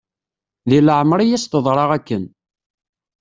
Deg leɛmer i as-teḍra akken.